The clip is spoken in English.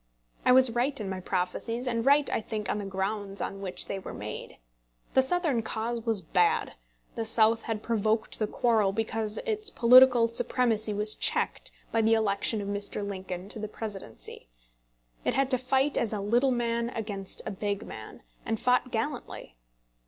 I was right in my prophecies, and right, I think, on the grounds on which they were made. The Southern cause was bad. The South had provoked the quarrel because its political supremacy was checked by the election of Mr. Lincoln to the Presidency. It had to fight as a little man against a big man, and fought gallantly.